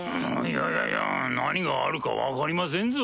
いやいや何があるか分かりませんぞ？